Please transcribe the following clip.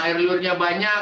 air lurnya banyak